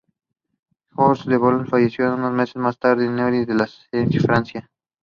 No additional details about his life are known.